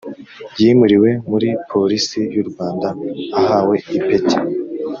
yimuriwe muri Polisi y u Rwanda Ahawe ipeti